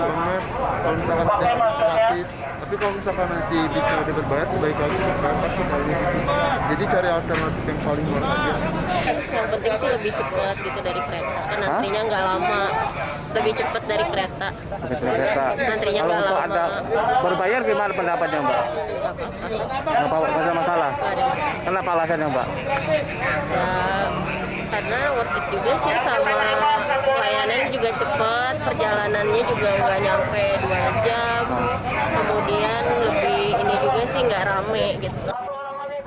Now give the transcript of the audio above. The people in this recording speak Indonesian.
karena worth it juga sih sama layanan juga cepat perjalanannya juga gak nyampe dua jam kemudian lebih ini juga sih gak rame gitu